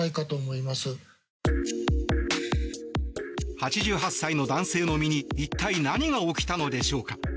８８歳の男性の身に一体何が起きたのでしょうか。